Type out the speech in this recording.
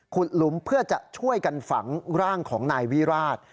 หลุมเพื่อจะช่วยกันฝังร่างของนายวิราช